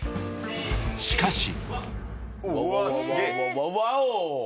［しかし］